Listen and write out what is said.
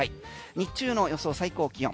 日中の予想最高気温。